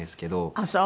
あっそう。